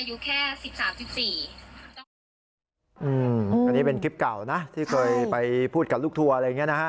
อืออันนี้เป็นกลิปเก่าเนี่ยนะที่เคยไปพูดกับลูกทัวร์อะไรอย่างเงี้ยนะ